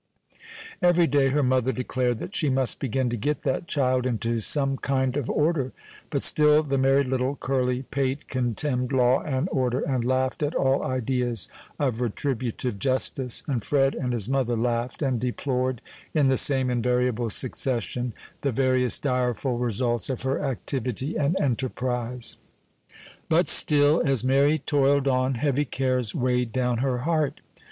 Every day her mother declared that she must begin to get that child into some kind of order; but still the merry little curly pate contemned law and order, and laughed at all ideas of retributive justice, and Fred and his mother laughed and deplored, in the same invariable succession, the various direful results of her activity and enterprise. But still, as Mary toiled on, heavy cares weighed down her heart.